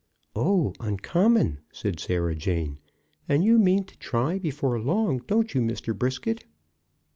"Oh, uncommon," said Sarah Jane. "And you mean to try before long, don't you, Mr. Brisket?"